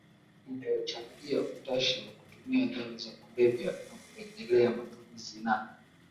inayochangia utashi wa kutumia dawa za kulevya na kurejelea matumizi na